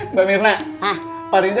mbak mirna pak riza